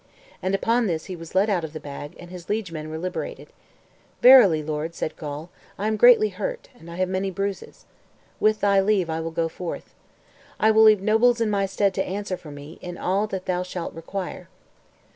And upon this he was let out of the bag, and his liegemen were liberated. "Verily, lord," said Gawl, "I am greatly hurt, and I have many bruises. With thy leave, I will go forth. I will leave nobles in my stead to answer for me in all that thou shalt require."